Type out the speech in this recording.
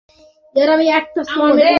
আমরা কি ক্র্যাশ করতে যাচ্ছি?